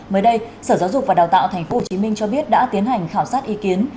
mới đây sở giáo dục và đào tạo tp hcm cho biết đã tiến hành khảo sát ý kiến